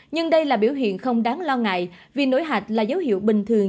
nhưng đây là biểu hiện không đáng lo ngại vì nổi hạch là dấu hiệu bình thường